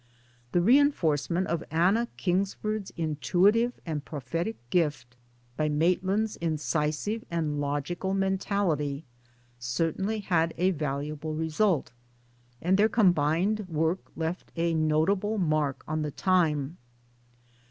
The reinforcement of Anna Kingsford's intuitive and prophetic gift by Maitland's incisive and logical mentality certainly had a valu able result, and their combined work left a notable mark on the time.